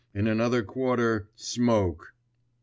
in another quarter ... smoke ...